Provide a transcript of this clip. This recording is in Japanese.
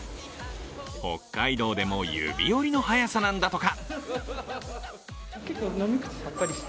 北海道でも指折りの速さなんだとか。